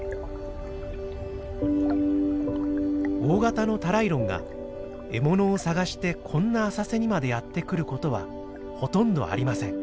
大型のタライロンが獲物を探してこんな浅瀬にまでやって来る事はほとんどありません。